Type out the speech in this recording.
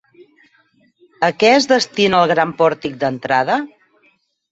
A què es destina el gran pòrtic d'entrada?